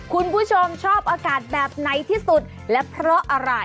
คุณผู้ชมชอบอากาศแบบไหนที่สุดและเพราะอะไร